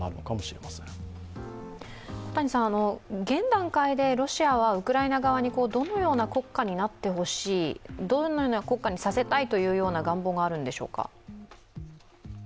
現段階でロシアはウクライナ側にどのような国家になってほしい、どのような国家にさせたいという願望があるんでしょうか？